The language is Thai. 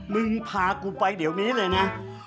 มึงพากูไปเดี๋ยวนี้เลยนะ